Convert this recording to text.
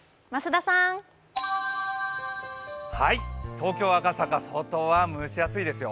東京・赤坂、外は蒸し暑いですよ。